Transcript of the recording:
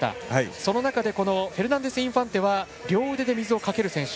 その中でフェルナンデスインファンテは両腕で水をかける選手。